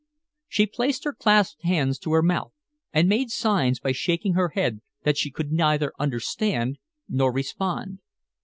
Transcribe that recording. She placed her clasped hands to her mouth and made signs by shaking her head that she could neither understand nor respond.